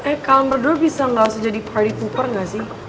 eh kalo berdua bisa ga usah jadi party pooper ga sih